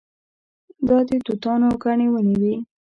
دا د توتانو ګڼې ونې وې.